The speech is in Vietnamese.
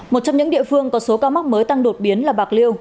một trong những địa phương có số ca mắc mới tăng đột biến là bạc liêu